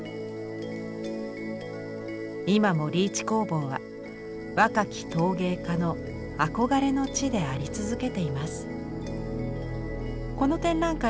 今もリーチ工房は若き陶芸家の憧れの地であり続けています。